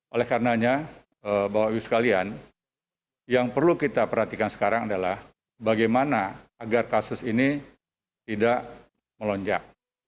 oleh karenanya bapak ibu sekalian yang perlu kita perhatikan sekarang adalah bagaimana agar kasus ini tidak melonjak